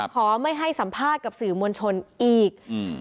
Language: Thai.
ขอไม่ให้สัมภาษณ์กับสื่อมวลชนอีก